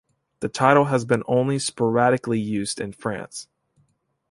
The title has been only sporadically used in France.